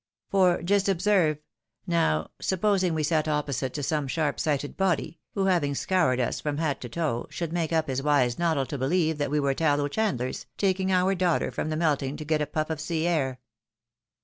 For just observe : now, sup posing we sat opposite to some sharp sighted body, who, having scoured us from hat to shoe, should make up his wise noddle to beUeve that we were tallow chandlers, taking our daughter from the melting to get a puff of sea air.